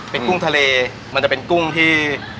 เป็นกุ้งทะเลมันจะเป็นกุ้งที่